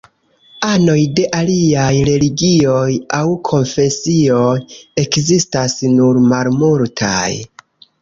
Anoj de aliaj religioj aŭ konfesioj ekzistas nur malmultaj.